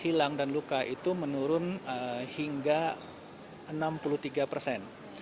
hilang dan luka itu menurun hingga enam puluh tiga persen